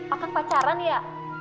a'kan pacaran ya